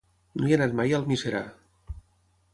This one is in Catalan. No he anat mai a Almiserà.